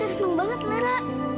sita seneng banget lara